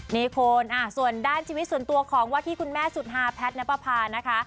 นี่คุณส่วนด้านชีวิตส่วนตัวของว่าที่คุณแม่สุดฮาแพทนับประพานะคะ